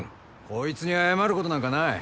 こいつに謝ることなんかない。